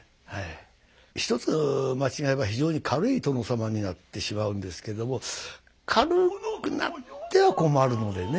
一つ間違えば非常に軽い殿様になってしまうんですけども軽くなっては困るのでね。